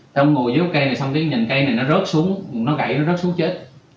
xong ngồi dưới cốc cây này xong cái nhìn cây này nó rớt xuống nó gãy nó rớt xuống chết